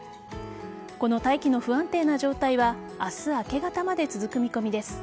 この大気の不安定な状態は明日明け方まで続く見込みです。